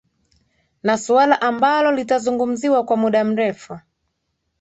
na suala ambalo litazungumziwa kwa muda mrefu